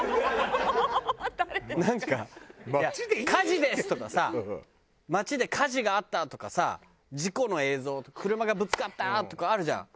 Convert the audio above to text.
なんかいや「火事です」とかさ街で「火事あった」とかさ事故の映像「車がぶつかった」とかあるじゃん？